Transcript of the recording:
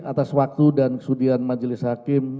atas waktu dan kesudian majelis hakim